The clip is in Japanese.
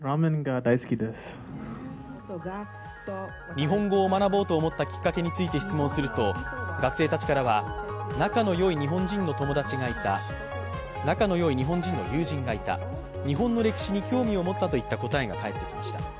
日本語を学ぼうと思ったきっかけについて質問すると仲の良い日本人の友人がいた日本の歴史に興味を持ったといった答えが返ってきました。